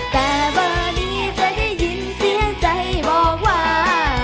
แต่เบอร์นี้จะได้ยินเสียงใจบอกว่า